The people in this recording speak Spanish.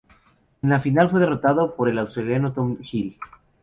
En la final fue derrotado por el australiano Tom Hill.